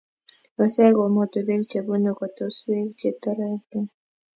Wisek komutuu biik che bunuu kotosweek che terotin.